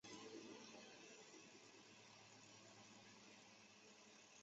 上杉房能的养子。